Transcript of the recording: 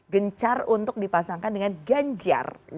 gencar untuk dipasangkan dengan ganjar